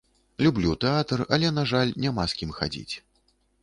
Люблю тэатр, але, на жаль, няма з кім хадзіць.